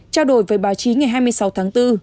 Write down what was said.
trao đổi với báo chí ngày hai mươi sáu tháng bốn